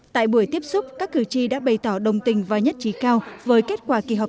tại buổi tiếp xúc các cử tri đã bày tỏ đồng tình và nhất trí cao với kết quả kỳ họp